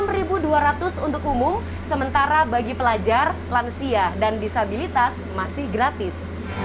rp enam dua ratus untuk umum sementara bagi pelajar lansia dan disabilitas masih gratis